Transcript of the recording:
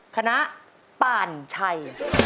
คณะป่านชัย